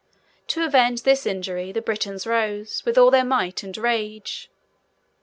To avenge this injury, the Britons rose, with all their might and rage.